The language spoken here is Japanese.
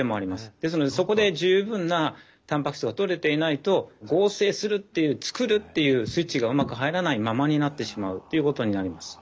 ですのでそこで十分なたんぱく質がとれていないと合成するっていう作るっていうスイッチがうまく入らないままになってしまうっていうことになります。